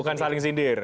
bukan saling sindir